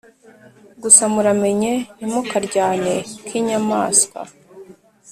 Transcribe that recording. Gusa muramenye ntimukaryane k’ inyamaswa